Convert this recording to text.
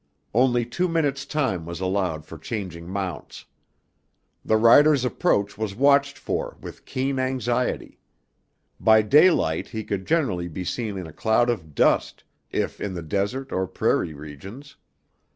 Only two minutes time was allowed for changing mounts. The rider's approach was watched for with keen anxiety. By daylight he could generally be seen in a cloud of dust, if in the desert or prairie regions.